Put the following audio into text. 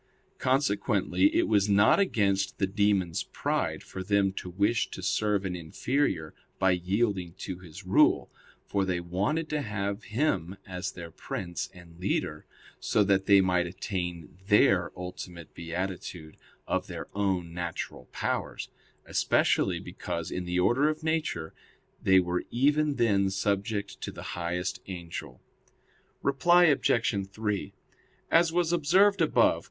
Consequently it was not against the demons' pride for them to wish to serve an inferior by yielding to his rule; for they wanted to have him as their prince and leader, so that they might attain their ultimate beatitude of their own natural powers; especially because in the order of nature they were even then subject to the highest angel. Reply Obj. 3: As was observed above (Q.